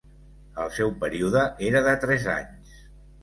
El seu període era de tres anys.